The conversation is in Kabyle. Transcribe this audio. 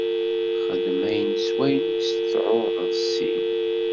Xdem ayen s wayen i tɛuhdeḍ Ssid.